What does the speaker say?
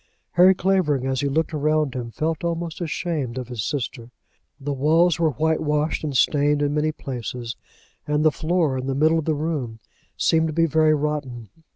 Harry Clavering, as he looked around him, felt almost ashamed of his sister. The walls were whitewashed, and stained in many places; and the floor in the middle of the room seemed to be very rotten.